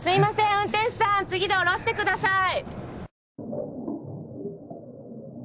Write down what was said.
運転手さん次で降ろしてください！